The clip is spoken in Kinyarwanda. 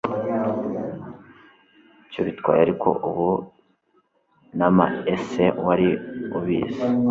cyo bitwaye Ariko ubu namaESE WARI UBIZI